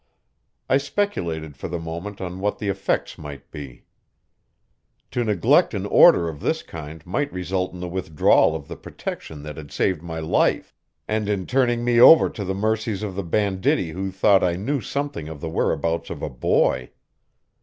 I speculated for the moment on what the effects might be. To neglect an order of this kind might result in the withdrawal of the protection that had saved my life, and in turning me over to the mercies of the banditti who thought I knew something of the whereabouts of a boy.